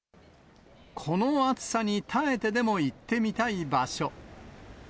この暑さに耐えてでも行ってみたい場所。